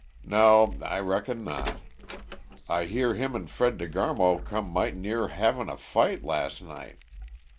"No, I reckon not. I hear him and Fred De Garmo come might' near havin' a fight las' night.